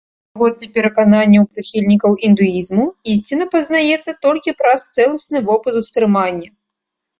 Паводле перакананняў прыхільнікаў індуізму, ісціна пазнаецца толькі праз цэласны вопыт ўспрымання.